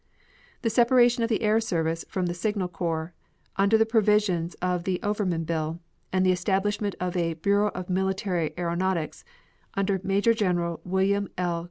The separation of the Air Service from the Signal Corps, under the provisions of the Overman bill, and the establishment of a Bureau of Military Aeronautics, under Major General William L.